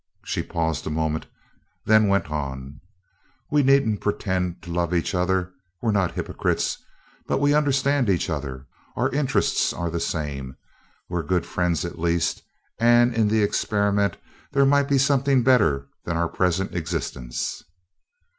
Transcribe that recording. She paused a moment, then went on: "We needn't pretend to love each other we're not hypocrites, but we understand each other, our interests are the same, we are good friends, at least, and in the experiment there might be something better than our present existence."